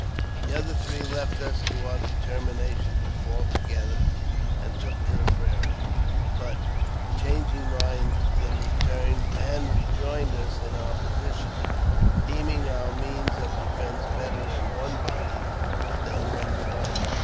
The other three left us to our determination to fall together, and took to the prairie ; but, changing mind, they returned, and rejoined. us in our position, deeming our means of defence better in one body than when divided.